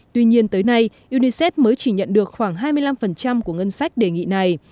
tuy nhiên unicef mới chỉ nhận được khoảng hai mươi năm của ngân sách đề nghị này